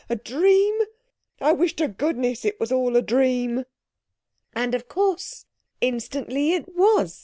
A dream? I wish to goodness it was all a dream." And, of course, instantly it was!